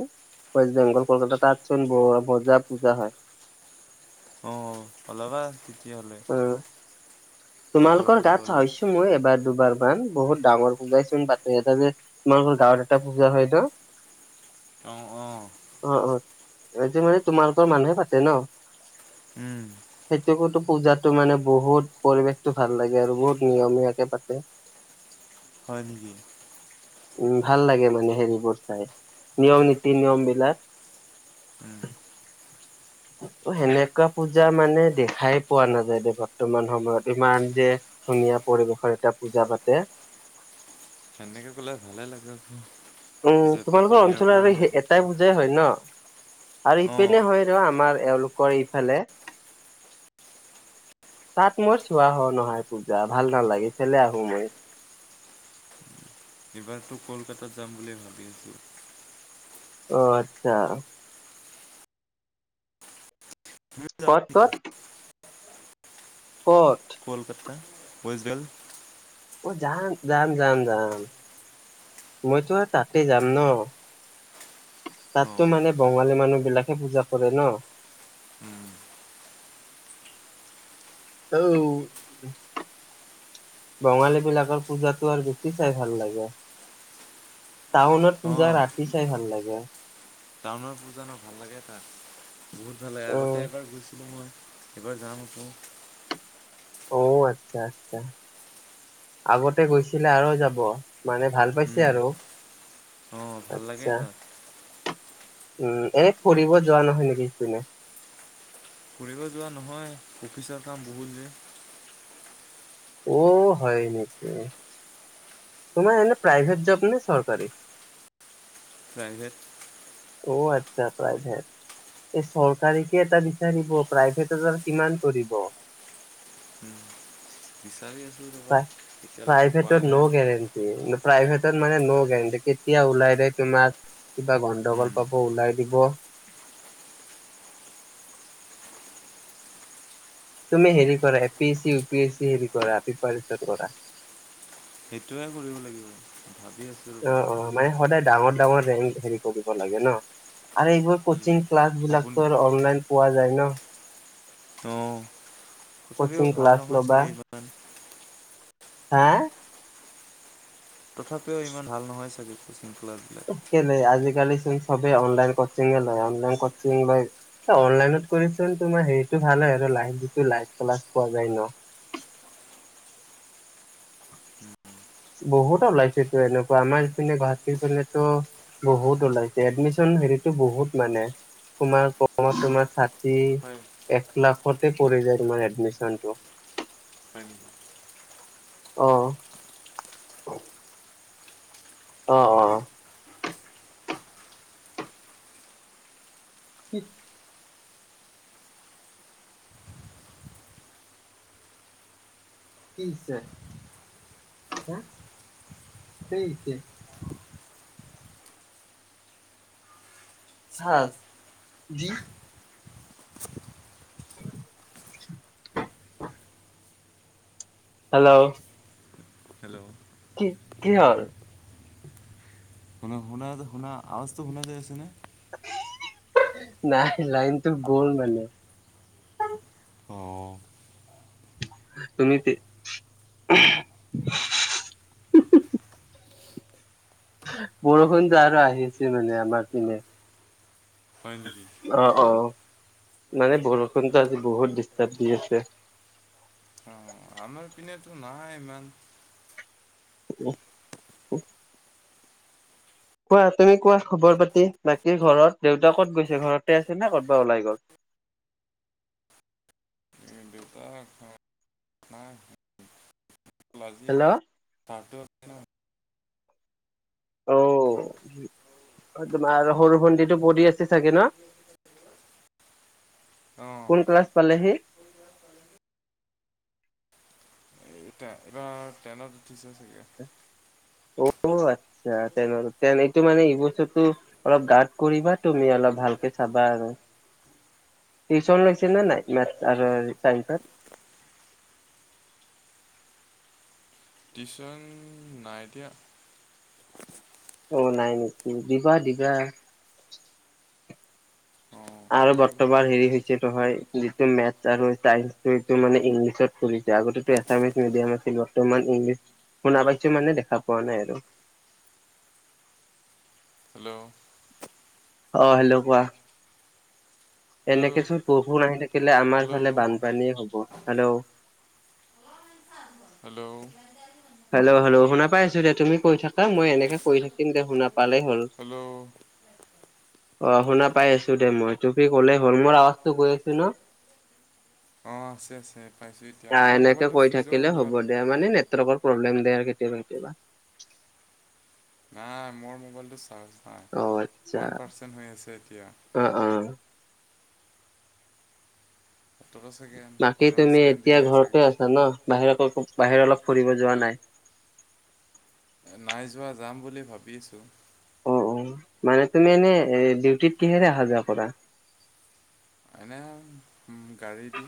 ৱেষ্ট বেংগল কলকাতা তাতচোন মজা পূজা হয়। অ' ওলাবা অ [unintelligible] তোমালোকৰ গাঁৱত লগৰবিলাকৰ চাইছোঁ মই এবাৰ দুবাৰ মান। বহুত ডাঙৰ পূজাই চোন পাতে। এটা যে, তোমালোকৰ গাঁৱত এটা পূজা হয় ন'। অ'! অ'! অ অ এইটো মানে, তোমালোকৰ মানুহে পাতে ন'। উম, সেইটোতো পূজাতো মানে বহুত পৰিৱেশতটো ভাল লাগে আৰু বহুত নিয়মীয়াকে পাতে। হয় উ ভাল লাগে মানে হেৰিবোৰ চাই নিয়ম নীতি নিয়ম বিলাক উম, সেনেকুৱা পূজা মানে দেখাই পোৱা নাযায় দে বৰ্তমান সময়ত। ইমান যে ধুনীয়া পৰিৱেশৰ এটা পূজা পাতে। সেনেকে ক'লে ভালে লাগে উম যে তোমালোকৰ বাহিৰৰ অঞ্চলত পৰা আৰু এনেকে এটাই কয়। পুজাই হয় ন আৰু অ' ইপেনে হয় ন আমাৰ। এওঁলোকৰ ইফালে তাত মই চোৱা হ নহয় পূজা ভাল নালাগেফেে আহো মই। এবাৰতো কলকাতাত যাম বুলি ভাবি আছোঁ। অ 'আচ্ছা তুমিও যাবা কত নেকি? -কত ক'ত কলকাতা ৱেষ্টডেল। অ' যাম -যাম -যাম -যাম মইতো তাতে যাম ন তাততো অ' মানে বঙালী মানুহ বিলাকে পূজা কৰে ন বঙালী বিলাকৰ পূজাতটো আৰু বেছি চাই ভাল লাগে টাউনত পূজা অ' ৰাতি চাই ভাল লাগে। টাউনৰ পূজা ভাল লাগে তাত। বহুত ভাল লাগে অ আগতে এবাৰ গৈছিলো মই। এইবাৰ যাম আকৌ। অ' আচ্ছা -আচ্ছা আগতে গৈছিলে আৰু যাব মানে ভাল পাইছে উম, আৰু অ' ভাল লাগে আচ্ছা। তাত। উম এনে ফুৰিব যোৱা নহয় নেকি সেইপিনে! ফুৰিব যোৱা নহয় অফিচৰ কাম বহুত যে। অ' হয় নেকি তোমাৰ এনে প্ৰাইভেট জব নে চৰকাৰী। প্ৰাইভেট। অ ' আচ্ছা প্ৰাইভেট এই চৰকাৰীকে এটা বিচাৰিব প্ৰভট কিমান কৰিব উম বিচাৰি আছো। প্প্ৰাইভেটৰ ন' গোৰেণ্টি প্ৰাইভেট। মানে ন ' গেৰাণ্টি কেতিয়া ওলাই দিয়ে তোমাক। কিবা উম, গণ্ডগোল পাব ওলাই দিব। তুমি হেৰি কৰা A P S C U P S C হেৰি কৰা পিপৰেচন কৰা। সেইটোোৱে কৰিব লাগিব। ভাবি আছোঁ ৰ'বা অ' অ' মানে সদায় ডাঙৰ ডাঙৰ। হেৰি কৰিব লাগে ন। আৰু এইবোৰ কচিং ক্লাছ আপুনি বিলাকতো অনলাইন পোৱা যায় ন। তো। কথাপিও কচিং ভাল ক্লাছ নহয় ল'বা চাগে ইমান। হা। তথাপিও ইমান ভাল নহয় চাগে ক চিন্তা। কেলে আজিকালি। চবে অনলাইন কোচিং লয়। অনলাইন কোচিং ত কৈ তোমাৰ লাইভ ক্লাছ ভাল হয়। বহুত ওলাইছে তো এনেকুৱা আমাৰ ইপিনে গুৱাহাটীৰিনেতো বহুত ওলাইছে এডমিচন হেৰিতটো বহুত মানে তোমাৰ কমত তোমাৰ াঠি হয় এক লাখতে পৰি যায় তোমাৰ এডমিশনটো হয় নেকি অ'। অ', অ'। [inaudible] [unintelligible] হা [unintelligible] [inaudible] [inaudible] [inaudible] হেল্ল'। হেল্ল'। কি কি হ'ল ন শুনাটো শুনা আৱাজটো শুনা যায় আছেনে? [unintelligible] নাই লাইনটো গ'ল মানে। অঁ তুমি তে [unintelligible] বৰষুণ যে আৰু আহিছে মানে আমাৰ পিনে। হয় নেকি? অ অ মানে বৰষুণটো আজি বহুত ডিষ্টাৰ্ব দি আছে। অঁ আমাৰ পিনেতো নাই ইমান [unintelligible] কোৱা তুমি কোৱা খবৰ পাতি বাকী ঘৰত দেউতা কত গৈছে ঘৰতে আছে নে কতবা ওলাই গ'ল? এ, দেউতাক অঁ, নাই হেল্ল'। [unintelligible] ঔ অ, তোমাৰ সৰু ভণ্টিটো পঢ়ি আছে চাগে ন' অঁ কোন ক্লাছ পালেহি? এতিয়া এইবাৰ ট্ৰেনত উঠিছে চাগে। অ' আচ্ছা তেন এইটো মানে এই বস্তু অলপ গাট কৰিবা তুমি অলপ ভালকে চাবা আৰু টিউচন লৈছে নে নাই মেথছ আৰু [inaudible] টিউচন নাই এতিয়া। অ, নাই নেকি দিবা-দিবা। অঁ আৰু বৰ এবাৰ হেৰি হৈছে তোহাৰ তুমি মেথছ আৰু চাইন্স তুমিতো মানে ইংলিছত পঢ়িছা আগতেটো এছামিছ মিডিয়াম আছিলো বৰ্তমান ইংলিছ শুনা পাইছো মানে দেখা পোৱা নাই আৰু। হেল্ল', অ, হেল্ল', কোৱা? হেল্ল' এনেকে চোন বৰষুণ আহি থাকিলে আমাৰ ফালে হেল্ল' বানপানীয়ে হব হেল্ল', হেল্ল', হ্যালো‌ হ্যালো শুনা পাইছো দে তুমি কৈয় থাক মই এনেকে থাকিম দে শুনা পালেই হ'ল হেল্ল', অ, শুনা পাই আছো দে মই তুপি গ'লে হল মোৰ আৱাজটো গৈ আছো ন'? অ আছে আছে পাইছোঁ এতিয়া অ মোৰ এনেকে মোবাইলটো কৈ ছুইচৰ থাকিলে হ'ব আৰু দে মানে নেটৱৰ্কৰ প্ৰব্লেম দিয়ে আৰু কেতিয়াবা কেতিয়াবা নাই মোৰ মোবাইলটো চাৰ্জ নাই অ আচ্ছা ওৱান পাৰ্চেণ্ট হৈ আছে এতিয়া আহ আহ। সোতৰ ছেকেণ্ড বাকী পোন্ধৰ তুমি ছেকেণ্ড এতিয়া দিলে চাগে ঘৰতে আছা ন বাহিৰ আকৌ বাহিৰত অলপ ফুৰিব যোৱা নাই। নাই যোৱা যাম বুলি ভাবিছোঁ। অ অ মানে তুমি এনে ডিউটিত কিহেৰে অহা যোৱা কৰা। এনে গাড়ী দি।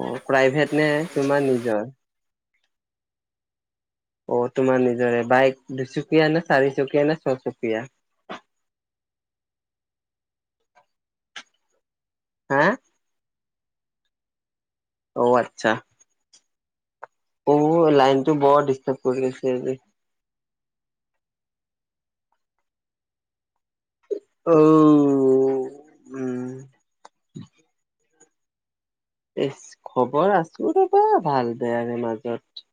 অ প্ৰাইভেট নে তোমাৰ নিজৰ। অ তোমাৰ নিজৰে বাইক দুচুকীয়া নে চাৰিচকীয়া নে ছয়চকীয়া। হা। অ আচ্ছা। অ লাইনটো বৰ ডিষ্টাৰ্ব কৰি আছে আজি। [unintelligible] উম। ইছ, খবৰ আছোঁ। ৰ'বা, ভাল-বেয়াৰে মাজত